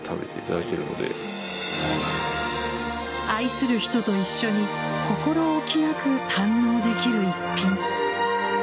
愛する人と一緒に心置きなく堪能できる逸品。